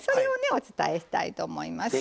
お伝えしたいと思います。